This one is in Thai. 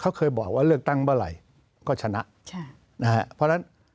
เขาเคยบอกว่าเลือกตั้งเมื่อไหร่ก็ชนะใช่นะฮะเพราะฉะนั้น